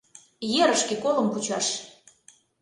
Ерышке колым кучаш.